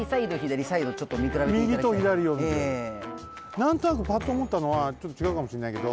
なんとなくパッとおもったのはちょっと違うかもしんないけど。